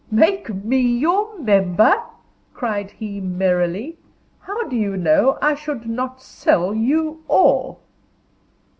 "Make me your member?" cried he, merrily. "How do you know I should not sell you all?"